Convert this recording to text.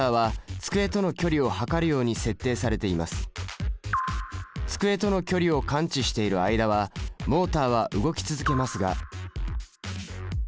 机との距離を感知している間はモータは動き続けますが。